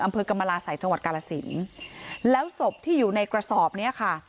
อำเภอกรรมราศัยจังหวัดกาลสินแล้วศพที่อยู่ในกระสอบเนี้ยค่ะ